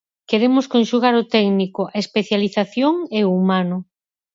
Queremos conxugar o técnico, a especialización e o humano.